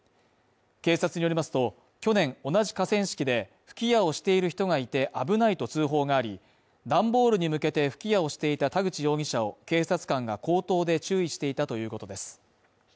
警察によりますと、去年、同じ河川敷で、吹き矢をしている人がいて危ないと通報がありダンボールに向けて吹き矢をしていた田口容疑者を警察官が口頭で注意していたということです